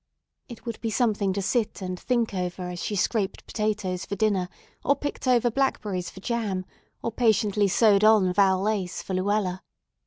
It would be something to sit and think over as she scraped potatoes for dinner, or picked over blackberries for jam, or patiently sewed on Val lace for Luella.